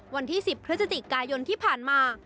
วันที่๑๐พฤศจิกายนที่ผ่านมา